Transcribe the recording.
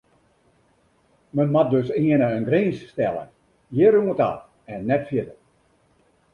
Men moat dus earne in grins stelle: hjir oan ta en net fierder.